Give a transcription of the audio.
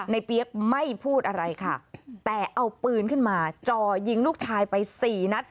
เปี๊ยกไม่พูดอะไรค่ะแต่เอาปืนขึ้นมาจ่อยิงลูกชายไปสี่นัด